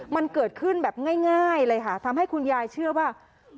มันเกิดขึ้นแบบง่ายเลยค่ะทำให้คุณยายเชื่อว่า